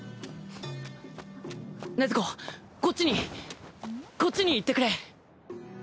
禰豆子こっちにこっちに行ってくれ。